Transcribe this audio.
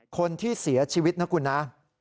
คนที่เสียชีวิตนะคุณนะ